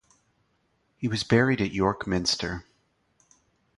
He was buried at York Minster.